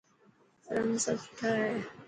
رنگ سڀ سٺا هي.